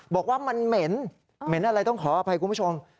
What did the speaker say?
บอกว่ามันเหม็นเหม็นอะไรต้องขออภัยคุณผู้ชม